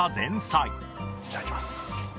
いただきます。